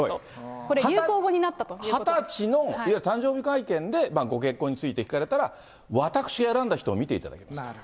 これ、これ、２０歳のいわゆる誕生日会見でご結婚について聞かれたら、私が選んだ人を見ていただきますと。